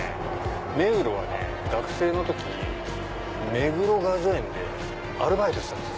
目黒はね学生の時目黒雅叙園でアルバイトしてたんです。